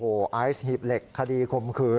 โอ้โหไอซ์หีบเหล็กคดีข่มขืน